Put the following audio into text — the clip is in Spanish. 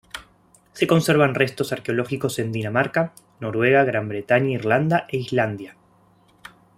Se conservan restos arqueológicos en Dinamarca, Noruega, Gran Bretaña, Irlanda e Islandia.